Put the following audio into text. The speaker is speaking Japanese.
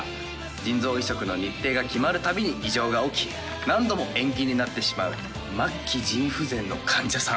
腎臓移植の日程が決まるたびに異常が起き、何度も延期になってしまう末期腎不全の患者さん。